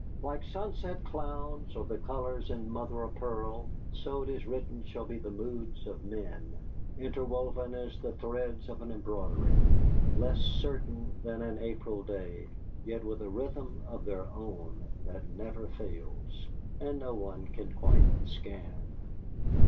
Like sunset clouds or the colours in mother o' pearl, so, it is written, shall be the moods of men interwoven as the threads of an embroidery, less certain than an April day, yet with a rhythm of their own that never fails, and no one can quite scan.